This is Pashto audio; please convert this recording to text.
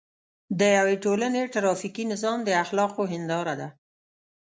د یوې ټولنې ټرافیکي نظام د اخلاقو هنداره ده.